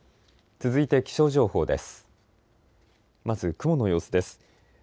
続いて気象情報です。